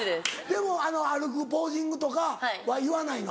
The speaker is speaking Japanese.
でもあの歩くポージングとかは言わないの？